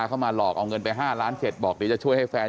เอาเงินไป๕ล้านเศษบอกเดี๋ยวจะช่วยให้แฟน